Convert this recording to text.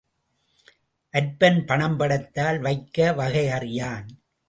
அற்பன் பணம் படைத்தால் வைக்க வகை அறியான்.